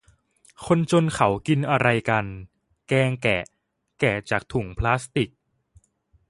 คนจนเขากินอะไรกัน แกงแกะ แกะจากถุงพลาสติก